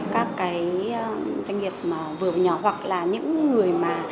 các doanh nghiệp vừa nhỏ hoặc là những người mà